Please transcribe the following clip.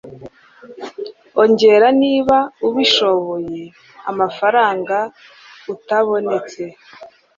Ongera niba ubishoboye amafaranga utabonetse